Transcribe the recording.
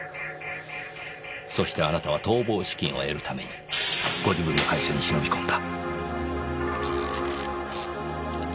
そしてあなたは逃亡資金を得るためにご自分の会社に忍び込んだ。